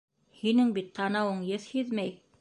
Һинең бит танауың еҫ һиҙмәй.